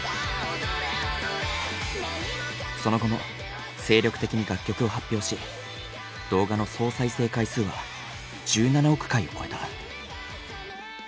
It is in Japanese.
その後も精力的に楽曲を発表し動画の総再生回数は１７億回を超えた。